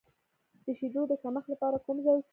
د شیدو د کمښت لپاره کوم چای وڅښم؟